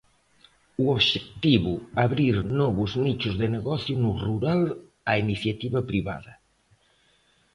O obxectivo, abrir novos nichos de negocio no rural á iniciativa privada.